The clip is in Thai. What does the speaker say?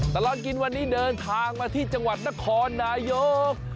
ตลอดกินวันนี้เดินทางมาที่จังหวัดนครนายก